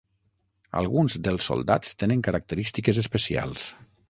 Alguns dels soldats tenen característiques especials.